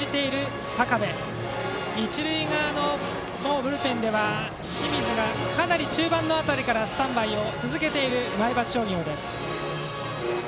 一塁側のブルペンでは清水がかなり中盤の辺りからスタンバイを続けている前橋商業。